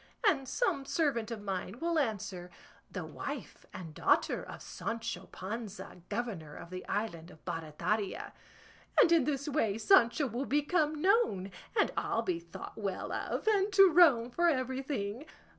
and some servant of mine will answer, "The wife and daughter of Sancho Panza, governor of the island of Barataria;" and in this way Sancho will become known, and I'll be thought well of, and "to Rome for everything."